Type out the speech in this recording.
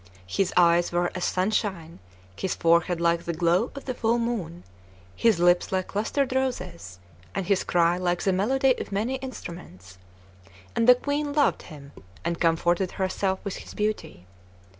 His eyes were as sunshine, his forehead like the glow of the full moon, his lips like clustered roses, and his cry like the melody of many instruments; and the Queen loved him, and comforted herself with his beauty.